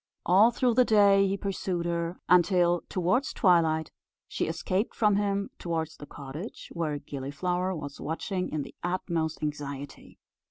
All through the day he pursued her; until, towards twilight, she escaped from him towards the cottage, where Gilliflower was watching in the utmost anxiety.